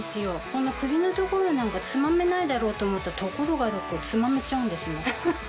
この首の所なんかつまめないだろうと思ったらところがどっこいつまめちゃうんですね。